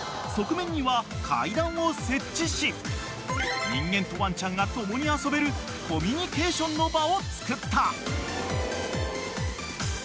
［側面には階段を設置し人間とワンちゃんが共に遊べるコミュニケーションの場をつくった］